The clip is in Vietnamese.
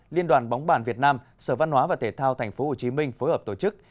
liên đoàn bóng bàn việt nam sở văn hóa và thể thao tp hcm phối hợp tổ chức